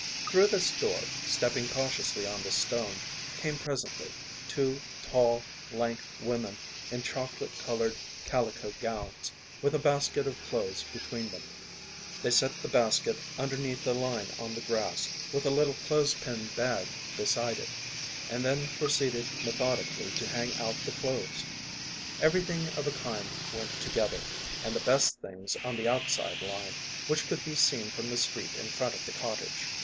Through this door, stepping cautiously on the stone, came presently two tall, lank women in chocolate colored calico gowns, with a basket of clothes between them. They set the basket underneath the line on the grass, with a little A FAR A IV A Y MELOD Y. 2O g clothes pin bag beside it, and then proceeded methodically to hang out the clothes. Everything of a kind went to gether, and the best things on the outside line, which could be seen from the street in front of the cottage.